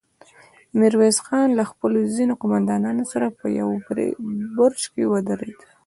ميرويس خان له خپلو ځينو قوماندانانو سره په يوه برج کې ودرېد.